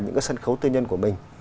những cái sân khấu tư nhân của mình